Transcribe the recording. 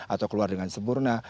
atau keluar dengan sempurna